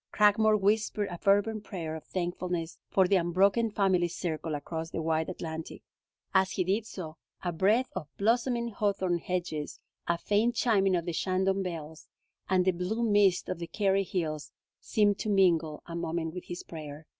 Cragmore whispered a fervent prayer of thankfulness for the unbroken family circle across the wide Atlantic. As he did so, a breath of blossoming hawthorn hedges, a faint chiming of the Shandon bells, and the blue mists of the Kerry hills seemed to mingle a moment with his prayer.